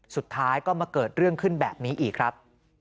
สุดท้ายก็มาเกิดเรื่องขึ้นแบบนี้อีกครับ